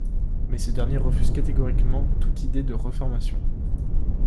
Mais ce dernier refuse catégoriquement toute idée de reformation.